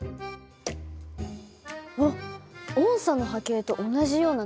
あっおんさの波形と同じような波だね。